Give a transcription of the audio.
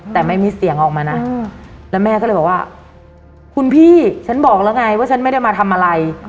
แต่ไม่มีเสียงออกมานะแล้วแม่ก็เลยบอกว่าคุณพี่ฉันบอกแล้วไงว่าฉันไม่ได้มาทำอะไร